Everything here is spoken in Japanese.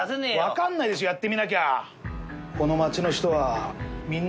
わかんないでしょやってみなきゃ！